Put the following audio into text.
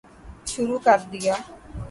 شروع کردیا